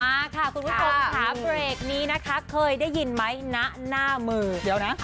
มาค่ะสวัสดีครับขาเบรกนี้นะคะเคยได้ยินไหมหน้าหน้ามือเดี๋ยวนะ